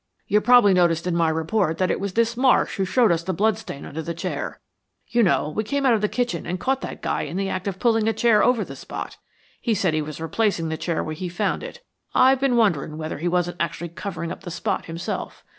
"You probably noticed in my report that it was this Marsh who showed us the bloodstain under the chair. You know, we came out of the kitchen and caught that guy in the act of pulling a chair over the spot. He said he was replacing the chair where he found it. I've been wondering whether he wasn't actually covering up the spot himself.